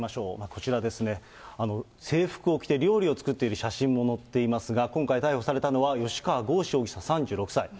こちらですね、制服を着て料理を作っている写真も載っていますが、今回逮捕されたのは、吉川剛司容疑者３６歳。